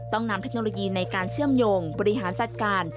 นำเทคโนโลยีในการเชื่อมโยงบริหารจัดการ